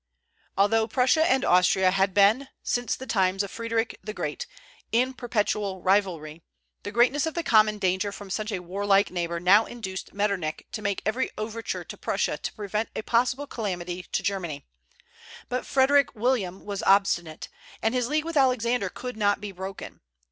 Although Prussia and Austria had been, since the times of Frederic the Great, in perpetual rivalry, the greatness of the common danger from such a warlike neighbor now induced Metternich to make every overture to Prussia to prevent a possible calamity to Germany; but Frederick William was obstinate, and his league with Alexander could not be broken.